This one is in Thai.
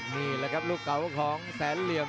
นี่แหละครับลูกเก่าของแสนเหลี่ยม